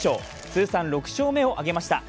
通算６勝目を上げました。